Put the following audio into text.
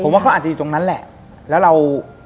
ว่าเขาอาจจะอยู่ตรงนั้นแหละแล้วเรา